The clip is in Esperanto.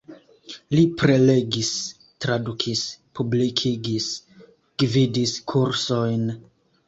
Li prelegis, tradukis, publikigis, gvidis kursojn.